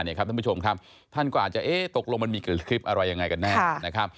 ท่านผู้ชมครับท่านก็อาจจะตกลงมันมีคลิปอะไรยังไงกันแน่นะครับ